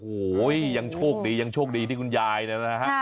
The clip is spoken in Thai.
โอ้โหยังโชคดีที่คุณยายนะ